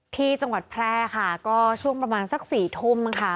ที่จังหวัดแพร่ค่ะก็ช่วงประมาณสัก๔ทุ่มค่ะ